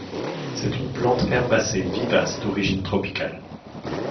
C'est une plante herbacée vivace d'origine tropicale.